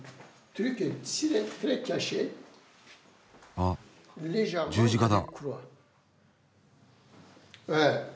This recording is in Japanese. あっ十字架だ。